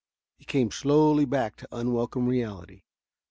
He came slowly back to unwelcome reality.